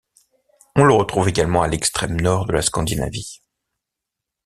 On le retrouve également à l'extrême nord de la Scandinavie.